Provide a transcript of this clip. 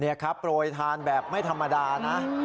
นี่ครับโปรยทานแบบไม่ธรรมดานะ